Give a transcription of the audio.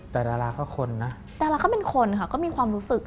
แต่ละละก็คนนะแต่ละก็เป็นคนค่ะก็มีความรู้สึก